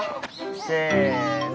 せの。